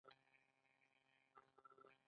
دوی د نړۍ تر ټولو لوی اقتصاد وو.